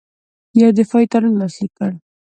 یو دفاعي تړون لاسلیک کړ.